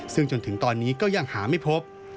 ซึ่งจนถึงตอนนี้ก็ยังหาไม่พบ